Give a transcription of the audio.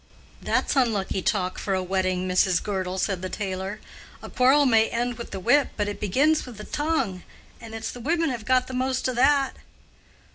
"That's unlucky talk for a wedding, Mrs. Girdle," said the tailor. "A quarrel may end wi' the whip, but it begins wi' the tongue, and it's the women have got the most o' that."